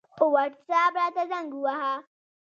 په وټساپ راته زنګ ووهه